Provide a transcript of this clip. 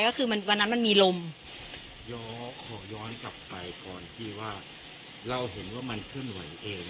ก็คือวันนั้นมันมีลมย้อขอย้อนกลับไปก่อนที่ว่าเราเห็นว่ามันเคลื่อนไหวเอง